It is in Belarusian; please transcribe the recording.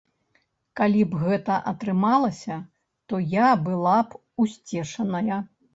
Калі б гэта атрымалася, то я была б усцешаная.